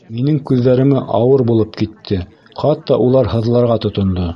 Минең күҙҙәремә ауыр булып китте, хатта улар һыҙларға тотондо.